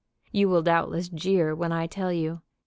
You will doubtless jeer when I tell you.